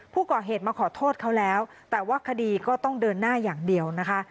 ผู้ก่อเหตุมาขอโทษเขาแล้วแต่ว่าคดีก็ต้องเดินหน้าอย่างเดียวนะคะ